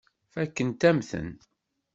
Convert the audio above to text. Fakkent-am-ten.